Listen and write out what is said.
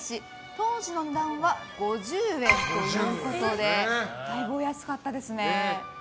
当時の値段は５０円ということでだいぶお安かったですね。